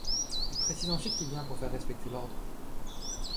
Il précise ensuite qu'il vient pour faire respecter l'ordre.